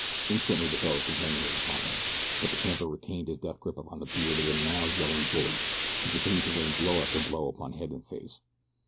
Instantly the fellow's companion was upon him; but the camper retained his death grip upon the beard of the now yelling bully and continued to rain blow after blow upon head and face.